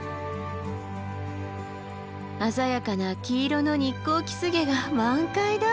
鮮やかな黄色のニッコウキスゲが満開だ。